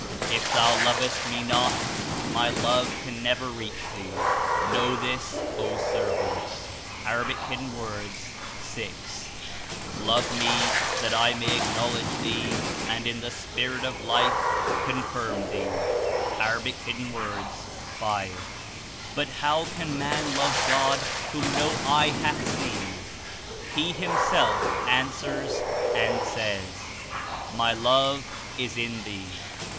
If thou lovest Me not, my Love can never reach thee. Know this, O servant." (A. 6.) *'Love Me that I may acknowledge thee and in the Spirit of Life confirm thee." (A. 5.) But how can man love God whom no eye hath seen ? He, Himself, answers and says: ''My Love is in thee.